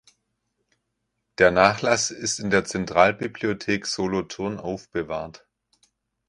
Der Nachlass ist in der Zentralbibliothek Solothurn aufbewahrt.